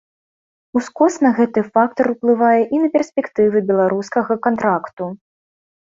Ускосна гэты фактар уплывае і на перспектывы беларускага кантракту.